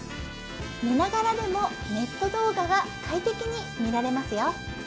寝ながらでもネット動画が快適に見られますよ